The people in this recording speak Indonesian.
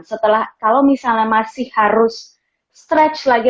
setelah kalau misalnya masih harus stretch lagi